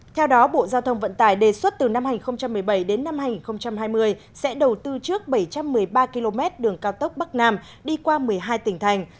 theo đó bộ giao thông vận tải đề xuất từ năm hai nghìn một mươi bảy đến năm hai nghìn hai mươi sẽ đầu tư trước bảy trăm một mươi ba km đường cao tốc bắc nam đi qua một mươi hai tỉnh thành